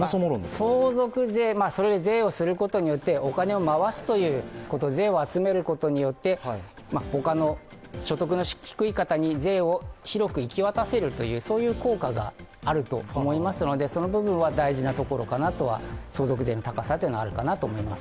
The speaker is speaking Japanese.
相続税することによってお金を回す、税を集めることによってほかの所得の低い方に税を広く行き渡らせる効果があると思いますのでその部分は大事なところかなと相続税の高さではあるかなと思います。